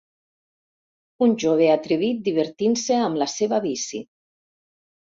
Un jove atrevit divertint-se amb la seva bici.